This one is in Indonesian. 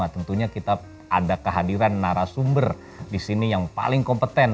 tentunya kita ada kehadiran narasumber di sini yang paling kompeten